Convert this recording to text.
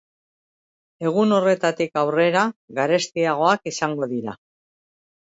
Egun horretatik aurrera, garestiagoak izango dira.